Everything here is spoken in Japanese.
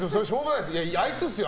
あいつっすよ